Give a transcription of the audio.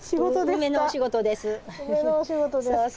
梅のお仕事ですか。